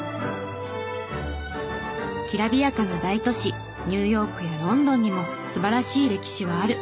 きらびやかな大都市ニューヨークやロンドンにも素晴らしい歴史はある。